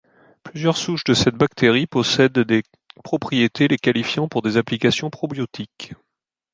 Plusieurs souches de cette bactérie possède des propriétés les qualifiant pour des applications probiotiques.